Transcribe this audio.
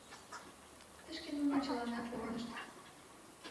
Тышке нуно чыланат погынышт.